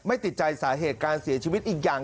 ติดใจสาเหตุการเสียชีวิตอีกอย่าง